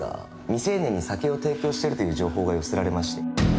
未成年に酒を提供しているという情報が寄せられまして。